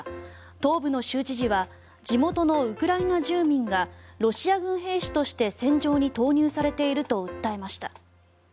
東部の州知事は地元のウクライナ住民がロシア軍兵士として戦場に投入されていると訴えました。